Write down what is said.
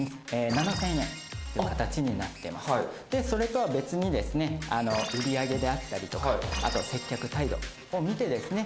７０００円という形になってますでそれとは別にですね売上であったりとかあと接客態度を見てですね